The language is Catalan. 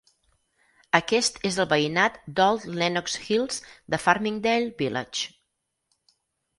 Aquest és el veïnat d'Old Lenox Hills de Farmingdale Village.